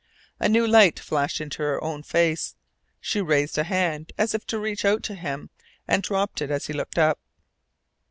A new light flashed into her own face. She raised a hand, as if to reach out to him, and dropped it as he looked up.